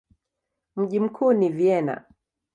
Mji mkuu ni Vienna.